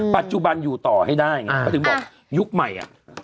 ปัจจุบันอยู่ต่อให้ได้ไงเขาถึงบอกยุคใหม่